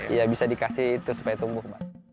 iya bisa dikasih itu supaya tumbuh